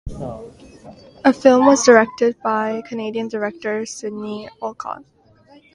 The film was directed by Canadian director Sidney Olcott.